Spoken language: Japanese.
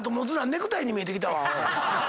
ネクタイに見えてきたわ。